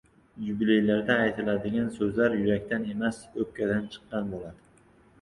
Yubileylarda aytiladigan so‘zlar yurakdan emas, o‘pkadan chiqqan bo‘ladi.